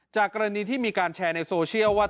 กรณีที่มีการแชร์ในโซเชียลว่า